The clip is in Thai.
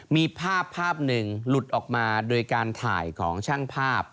มีภาพภาพหนึ่งหลุดออกมาโดยการถ่ายของช่างภาพ